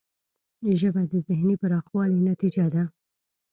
ژبه د ذهنی پراخوالي نتیجه ده